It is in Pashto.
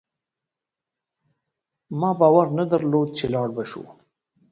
ما باور نه درلود چي لاړ به شو